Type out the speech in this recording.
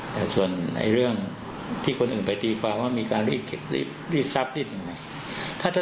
และส่วนเรื่องที่คนอื่นไปตีความว่ามันมีการลีกพรีบรีดทรัพย์นะครับ